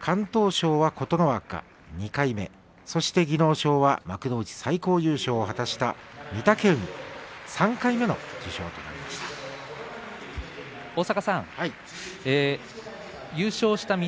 敢闘賞は琴ノ若２回目そして技能賞は幕内最高優勝を果たした御嶽海３回目の受賞となりました。